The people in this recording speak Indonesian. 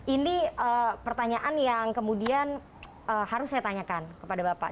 ini pertanyaan yang kemudian harus saya tanyakan kepada bapak